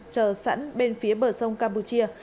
chở sẵn bên phía bờ sông campuchia